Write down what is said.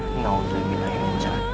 tidak ada yang bisa mencari